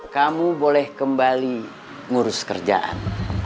kamu boleh kembali ngurus kerjaan